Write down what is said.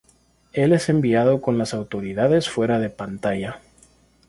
Él es enviado con las autoridades fuera de pantalla.